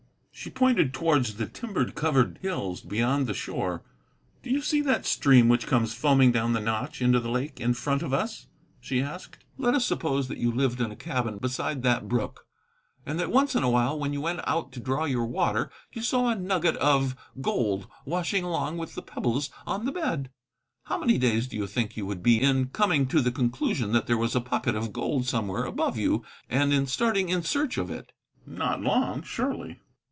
She pointed towards the timber covered hills beyond the shore. "Do you see that stream which comes foaming down the notch into the lake in front of us?" she asked. "Let us suppose that you lived in a cabin beside that brook; and that once in a while, when you went out to draw your water, you saw a nugget of gold washing along with the pebbles on the bed. How many days do you think you would be in coming to the conclusion that there was a pocket of gold somewhere above you, and in starting in search of it?" "Not long, surely."